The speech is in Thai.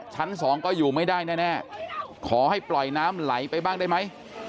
ชั้นสองก็อยู่ไม่ได้แน่ขอให้ปล่อยน้ำไหลไปบ้างได้ไหม